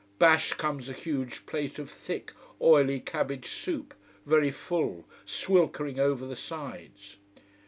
Bash comes a huge plate of thick, oily cabbage soup, very full, swilkering over the sides.